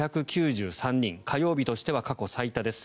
火曜日としては過去最多です。